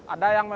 ada yang lebih